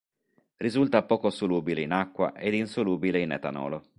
Risulta poco solubile in acqua ed insolubile in etanolo.